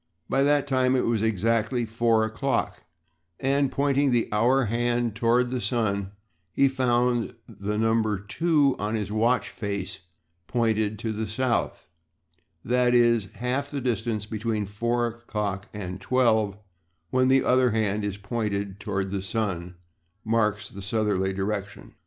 By that time it was exactly four o'clock, and, pointing the hour hand toward the sun, he found that the number 2 on his watch face pointed to the South: that is, half the distance between four o'clock and twelve when the other hand is pointed toward the sun, marks the southerly direction.